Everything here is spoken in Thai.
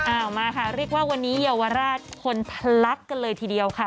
เอามาค่ะเรียกว่าวันนี้เยาวราชคนทะลักกันเลยทีเดียวค่ะ